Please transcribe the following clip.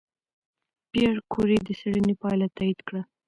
پېیر کوري د څېړنې پایله تایید کړه.